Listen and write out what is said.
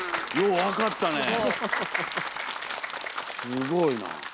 すごいな。